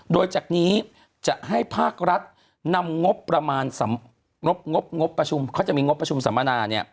โดยจากนี้จะให้ภาครัฐนำงบประมาณงบประชุมเขาจะมีงบประชุมสัมมนา